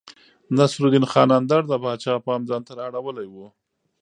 نصرالدين خان اندړ د پاچا پام ځانته رااړولی و.